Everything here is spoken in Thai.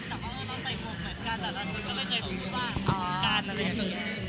แต่ว่าเราไปพบเหมือนกันแต่ละคนก็ไม่เคยบอกว่ามีการอะไรอย่างเงี้ย